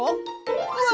うわ！